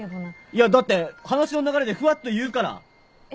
いやだって話の流れでふわっと言うから。